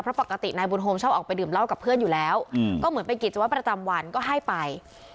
เพราะปกตินายบุญโฮมชอบออกไปดื่มเหล้ากับเพื่อนอยู่แล้วก็เหมือนเป็นกิจวัตรประจำวันก็ให้ไป